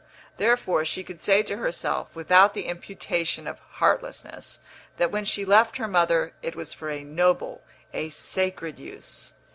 Therefore she could say to herself, without the imputation of heartlessness, that when she left her mother it was for a noble, a sacred use.